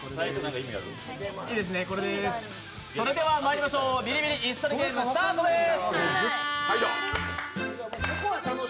それではまいりましょう「ビリビリ椅子取りゲーム」スタートです。